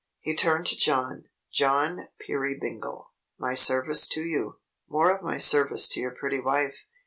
He turned to John. "John Peerybingle, my service to you. More of my service to your pretty wife.